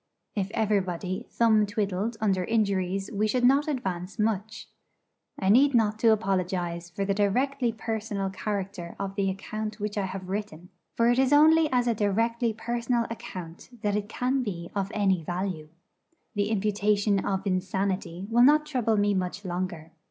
If everybody thumb twiddled under injuries we should not advance much. I need not to apologise for the directly personal character of the account which I have written; for it is only as a directly personal account that it can be of any value. The imputation of insanity will not trouble me much longer.